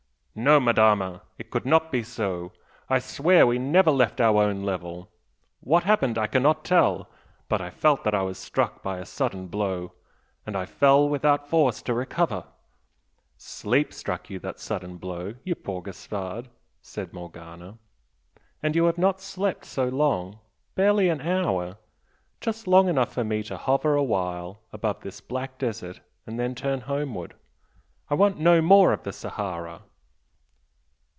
"No, Madama! It could not be so! I swear we never left our own level! What happened I cannot tell but I felt that I was struck by a sudden blow and I fell without force to recover " "Sleep struck you that sudden blow, you poor Gaspard!" said Morgana, "And you have not slept so long barely an hour just long enough for me to hover a while above this black desert and then turn homeward, I want no more of the Sahara!"